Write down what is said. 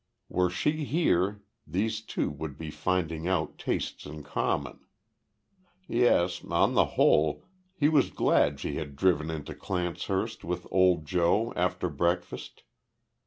Were she here, these two would be finding out tastes in common. Yes, on the whole, he was glad she had driven into Clancehurst with old Joe after breakfast.